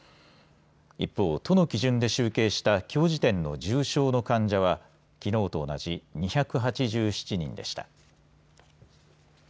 一方、都の基準で集計したきょう時点の重症の患者はきのうと同じ２８７人でした。